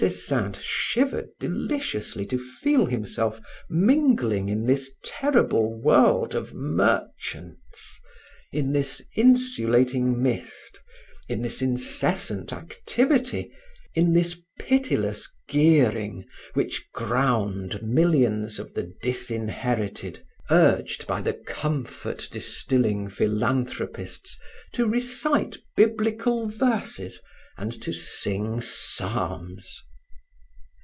Des Esseintes shivered deliciously to feel himself mingling in this terrible world of merchants, in this insulating mist, in this incessant activity, in this pitiless gearing which ground millions of the disinherited, urged by the comfort distilling philanthropists to recite Biblical verses and to sing psalms.